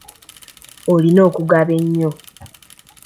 Olina okugaba ennyo.